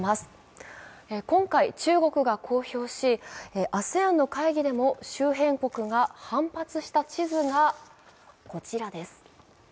今回、中国が公表しＡＳＥＡＮの会議でも周辺国が反発した地図がこちらです。